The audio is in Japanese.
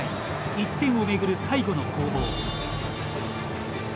１点を巡る最後の攻防。